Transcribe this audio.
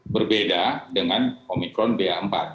berbeda dengan omikron ba empat